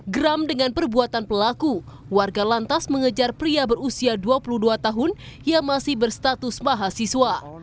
geram dengan perbuatan pelaku warga lantas mengejar pria berusia dua puluh dua tahun yang masih berstatus mahasiswa